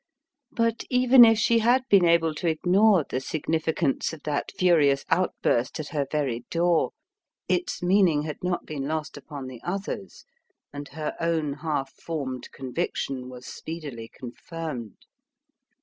But even if she had been able to ignore the significance of that furious outburst at her very door, its meaning had not been lost upon the others, and her own half formed conviction was speedily confirmed.